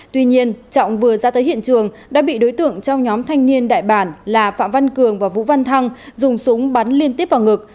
tuy nhiên trọng vừa ra tới hiện trường đã bị đối tượng trong nhóm thanh niên đại bản là phạm văn cường và vũ văn thăng dùng súng bắn liên tiếp vào ngực